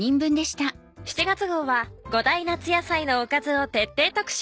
７月号は５大夏野菜のおかずを徹底特集。